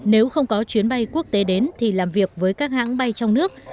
nếu không có chuyến bay quốc tế đến thì làm việc với các hãng bay trong nước